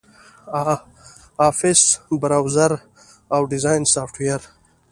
آفس، براوزر، او ډیزاین سافټویر